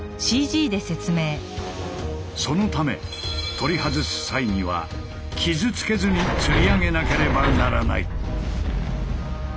そのため取り外す際には傷つけずにつり上げなければならない。